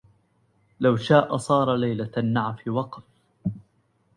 لو شاء سار ليلة النعف وقف